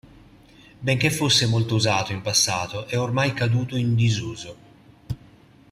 Benché fosse molto usato in passato, è ormai caduto in disuso.